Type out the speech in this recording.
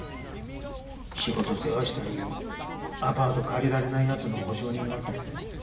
仕事世話したりアパート借りられないやつの保証人になったり。